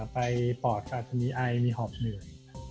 ปอดอาจจะมีไอมีหอบเหนื่อย